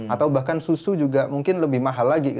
atau bahkan susu juga mungkin lebih mahal lagi